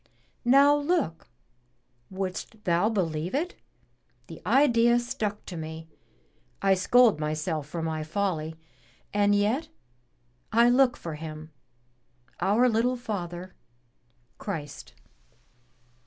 Now look! wouldst thou believe it? the idea stuck to me — I scold myself for my folly, and yet I look for Him, our little Father, Christ!"